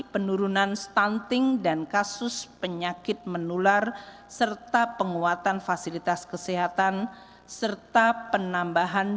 penurunan stunting dan kasus penyakit menular serta penguatan fasilitas kesehatan serta penambahan